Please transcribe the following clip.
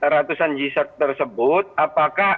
ratusan g sert tersebut apakah